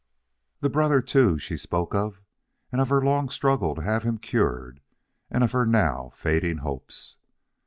The brother, too, she spoke of, and of her long struggle to have him cured and of her now fading hopes.